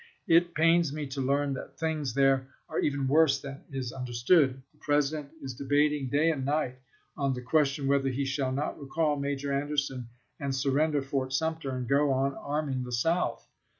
It pains me to learn that things there are even worse than is understood. The President is debating day and night on the question whether he shall not recall Major An derson and surrender Fort Sumter and go on arming the South.